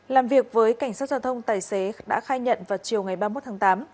làm việc với cảnh sát giao thông tài xế đã khai nhận vào chiều ngày ba mươi một tháng tám